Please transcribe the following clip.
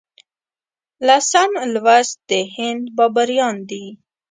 لسم لوست د هند بابریان دي.